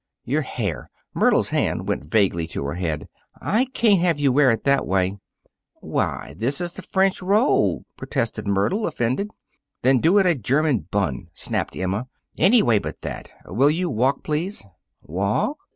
"Your hair!" Myrtle's hand went vaguely to her head. "I can't have you wear it that way." "Why, this is the French roll!" protested Myrtle, offended. "Then do it in a German bun!" snapped Emma. "Any way but that. Will you walk, please?" "Walk?"